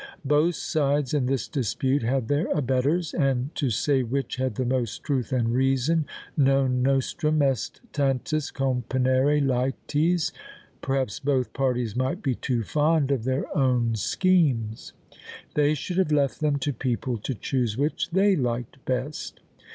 Both sides in this dispute had their abettors; and to say which had the most truth and reason, non nostrum est tantas componere lites; perhaps both parties might be too fond of their own schemes. They should have left them to people to choose which they liked best."